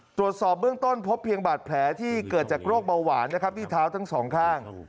ตรวจสอบเบื้องต้นพบเพียงบาดแผลที่เกิดจากโรคเบาหวานนะครับที่เท้าทั้งสองข้าง